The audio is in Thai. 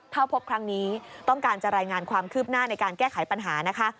ถ้าพบครั้งนี้ต้องการจะรายงานความคืบหน้าในการแก้ไขปัญหานะคะ